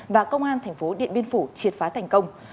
và công an tp điện biên phủ triệt phá thành công